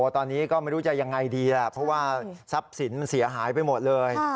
ตอนนี้ก็ไม่รู้จะยังไงดีแหละเพราะว่าทรัพย์สินมันเสียหายไปหมดเลย